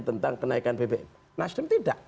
tentang kenaikan bbm nasdem tidak